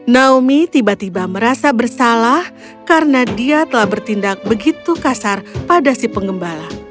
naomi tiba tiba merasa bersalah karena dia telah bertindak begitu kasar pada si pengembala